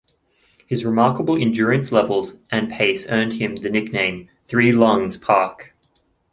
His remarkable endurance levels and pace earned him the nickname "Three-Lungs" Park.